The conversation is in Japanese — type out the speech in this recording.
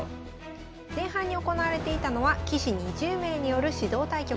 前半に行われていたのは棋士２０名による指導対局。